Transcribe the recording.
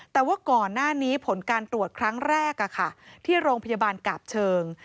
แต่ว่าก่อนหน้านี้ผลการตรวจครั้งแรกที่โรงพยาบาลกาบเชิง